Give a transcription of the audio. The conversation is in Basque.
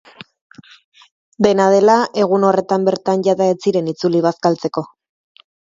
Dena dela, egun horretan bertan jada ez ziren itzuli bazkaltzeko.